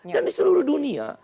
dan di seluruh dunia